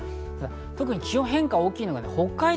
特に気温の変化が大きいのは北海道。